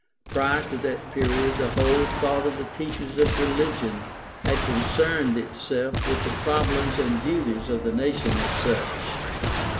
Prior to that period the whole thought of the teachers of religion had concerned itself with the problems and duties of the nation as such.